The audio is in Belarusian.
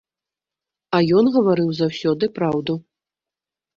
А ён гаварыў заўсёды праўду.